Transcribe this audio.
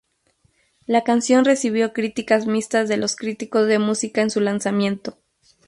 La canción recibió críticas mixtas de los críticos de música en su lanzamiento.